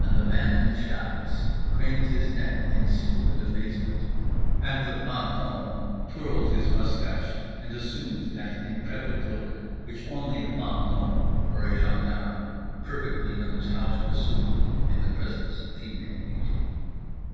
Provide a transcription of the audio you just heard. And the man in the shafts craned his neck in stupid amazement, and the planton twirled his moustache and assumed that intrepid look which only a planton (or a gendarme) perfectly knows how to assume in the presence of female beauty.